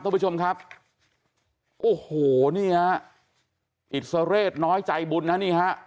ท่านผู้ชมครับโอ้โหนี่ฮะอิสระเรศน้อยใจบุญนะนี่ฮะ